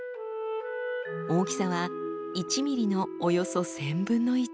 大きさは１ｍｍのおよそ１，０００分の１。